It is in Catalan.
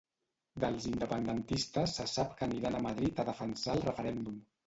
Dels independentistes se sap que aniran a Madrid a defensar el referèndum.